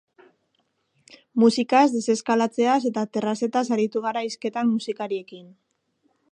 Musikaz, deseskalatzeaz eta terrazetaz aritu gara hizketan musikariarekin.